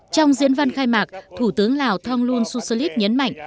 trong diễn văn khai mạc thủ tướng lào thonglun sulit nhấn mạnh